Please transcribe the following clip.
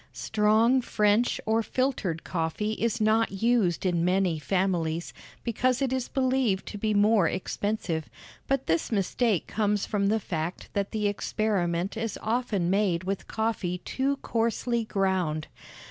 Strong French or filtered coffee is not used in many families, because it is believed to be more expensive; but this mistake comes from the fact that the experiment is often made with coffee too coarsely ground.